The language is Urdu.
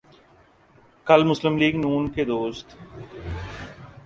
کل مسلم لیگ ن کے دوست